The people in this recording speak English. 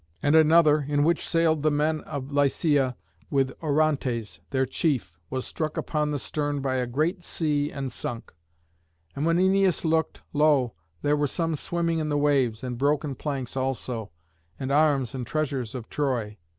And another, in which sailed the men of Lycia, with Orontes, their chief, was struck upon the stern by a great sea and sunk. And when Æneas looked, lo! there were some swimming in the waves, and broken planks also, and arms and treasures of Troy.